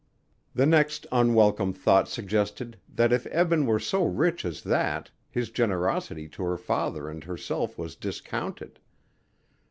The next unwelcome thought suggested that if Eben were so rich as that his generosity to her father and herself was discounted.